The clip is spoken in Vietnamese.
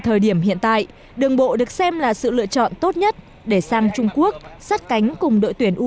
ở thời điểm hiện tại đường bộ được xem là sự lựa chọn tốt nhất để sang trung quốc sát cánh cùng đội tuyển u hai mươi ba việt nam